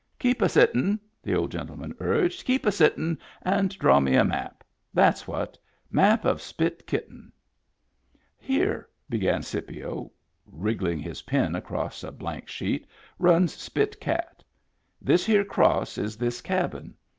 "Keep a sittinV the old gentleman urged. " Keep a sittin', and draw me a map. That's what. Map of Spit Kitten." " Here," began Scipio, wriggling his pen across a blank sheet, " runs Spit Cat. This here cross is this cabin.